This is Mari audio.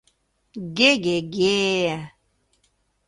— Ге-ге-ге!..